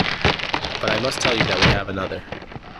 But I must tell you that we have another.